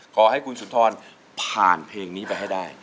ขอให้คุณสุนทรผ่านเพลงนี้ไปให้ได้